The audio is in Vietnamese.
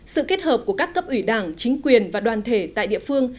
sự kết hợp của các cấp ủy đảng chính quyền và đoàn thể tại địa phương